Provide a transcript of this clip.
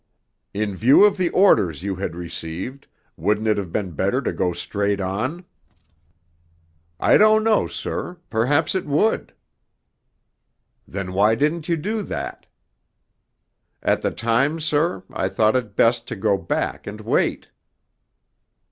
'In view of the orders you had received, wouldn't it have been better to go straight on?' 'I don't know, sir perhaps it would.' 'Then why didn't you do that?' 'At the time, sir, I thought it best to go back and wait.'